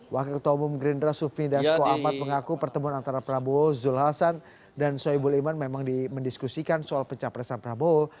wakil ketua umum gerindra sufmi dasko ahmad mengaku pertemuan antara prabowo zulhasan dan soebul iman memang dimendiskusikan soal pencapresan prabowo